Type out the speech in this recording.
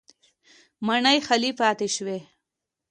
ماڼۍ خالي پاتې شوې